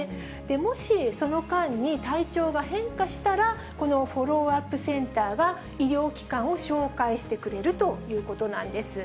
もしその間に体調が変化したら、このフォローアップセンターが医療機関を紹介してくれるということなんです。